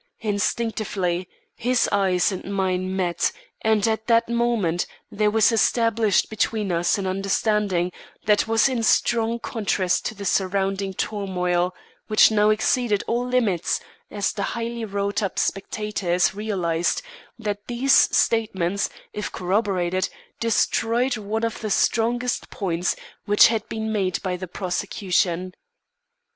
Instinctively, his eyes and mine met, and, at that moment, there was established between us an understanding that was in strong contrast to the surrounding turmoil, which now exceeded all limits, as the highly wrought up spectators realised that these statements, if corroborated, destroyed one of the strongest points which had been made by the prosecution.